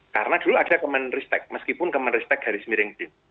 karena dulu ada kementerian risetek meskipun kementerian risetek garis miring